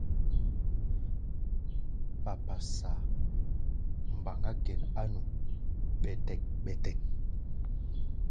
Papásá mbaŋá gɛn á nu bɛ́tɛ́k-bɛ́tɛ́k.